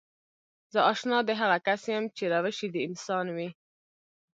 زه اشنا د هغه کس يم چې روش يې د انسان وي.